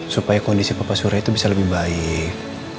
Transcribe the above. supaya kondisi papa surya itu bisa lebih baik